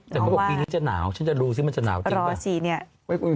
น้องว่าแต่ของพี่นี่จะหนาวฉันจะดูซิมันจะหนาวจริงป่ะรอสิ